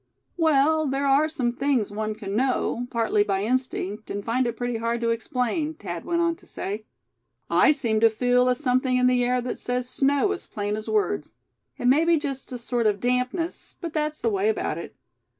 "Well, there are some things one can know, partly by instinct, and find it pretty hard to explain," Thad went on to say. "I seem to feel a something in the air that says 'snow' as plain as words. It may be just a sort of dampness; but that's the way about it.